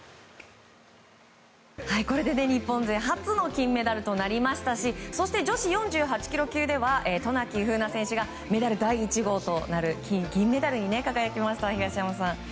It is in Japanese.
これで日本勢初の金メダルとなりましたしそして女子４８ｋｇ級では渡名喜風南選手がメダル第１号となる銀メダルに輝きました、東山さん。